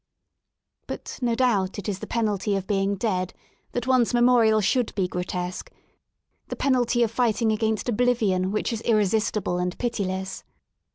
But no doubt it is the penalty of being dead that one's memorial should be grotesque; the penalty of fighting against oblivion which is irresistible and pitiless.